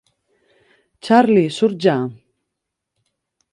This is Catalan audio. Charley, surt ja!